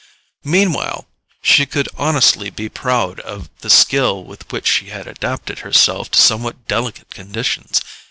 Meanwhile she could honestly be proud of the skill with which she had adapted herself to somewhat delicate conditions.